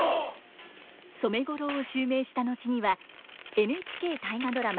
染五郎を襲名した後にはＮＨＫ大河ドラマ